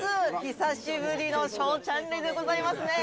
久しぶりのＳＨＯＷチャンネルでございますね。